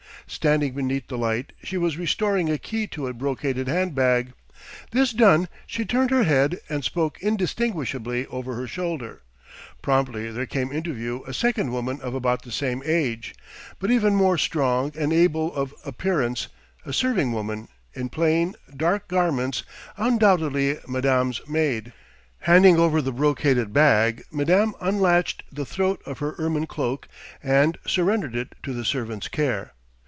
Standing beneath the light, she was restoring a key to a brocaded hand bag. This done, she turned her head and spoke indistinguishably over her shoulder. Promptly there came into view a second woman of about the same age, but even more strong and able of appearance a serving woman, in plain, dark garments, undoubtedly madame's maid. Handing over the brocaded bag, madame unlatched the throat of her ermine cloak and surrendered it to the servant's care.